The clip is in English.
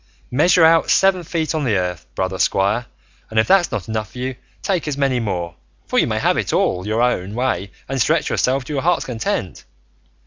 Measure out seven feet on the earth, brother squire, and if that's not enough for you, take as many more, for you may have it all your own way and stretch yourself to your heart's content.